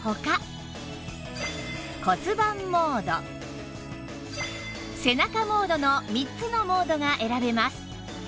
骨盤モード背中モードの３つのモードが選べます